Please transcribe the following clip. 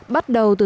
bắt đầu từ